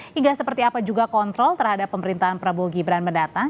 hingga seperti apa juga kontrol terhadap pemerintahan prabowo gibran mendatang